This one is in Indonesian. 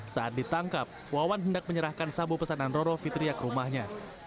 saat ditangkap wawan hendak menyerahkan sabu pesanan roro fitria ke rumahnya